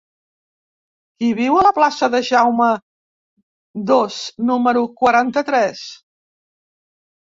Qui viu a la plaça de Jaume II número quaranta-tres?